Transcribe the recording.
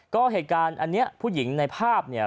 ก็เหตุการณ์อันนี้ผู้หญิงในภาพเนี่ย